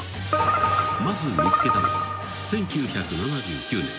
［まず見つけたのは１９７９年。